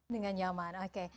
dengan nyaman oke